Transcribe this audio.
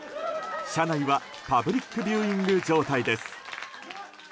社内はパブリックビューイング状態です。